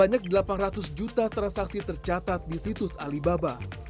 delapan ratus juta transaksi tercatat di situs alibaba